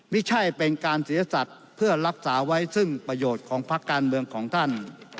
ไม่ใช่เป็นการเสียสัตว์เพื่อรักษาไว้ซึ่งประโยชน์ของพักการเมืองของท่าน